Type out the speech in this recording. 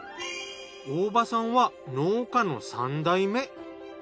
大場さんは農家の３代目。